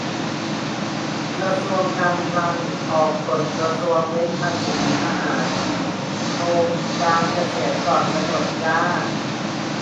กระทรวงการคลัง ออกกฎกระทรวงเว้นภาษีทหาร 'โครงการเกษียณก่อนกำหนด' จร้า